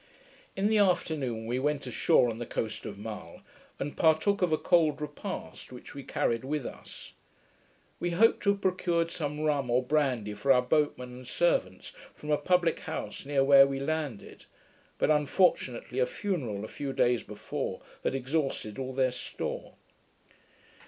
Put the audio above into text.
In the afternoon we went ashore on the coast of Mull, and partook of a cold repast, which we carried with us. We hoped to have procured some rum or brandy for our boatmen and servants, from a publick house near where we landed; but unfortunately a funeral a few days before had exhausted all their store.